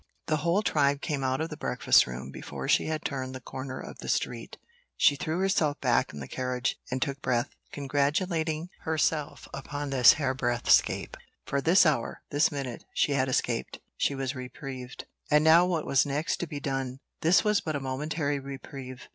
The whole tribe came out of the breakfast room before she had turned the corner of the street. She threw herself back in the carriage and took breath, congratulating herself upon this hairbreadth 'scape. For this hour, this minute, she had escaped! she was reprieved! And now what was next to be done? This was but a momentary reprieve.